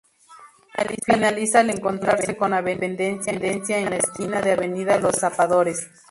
Finaliza al encontrarse con Avenida Independencia en la esquina de Avenida Los Zapadores.